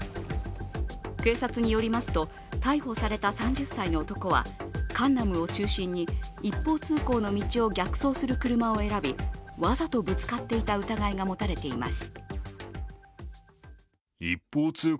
警察によりますと逮捕された３０歳の男はカンナムを中心に一方通行の道を逆走する車を選びわざとぶつかっていた疑いが持たれています。